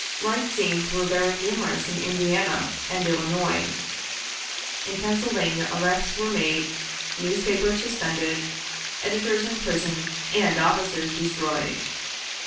Like scenes were very numerous in Indiana and Illinois. In Pennsylvania arrests were made, newspapers suspended, editors imprisoned, and offices destroyed.